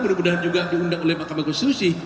mudah mudahan juga diundang oleh mahkamah konstitusi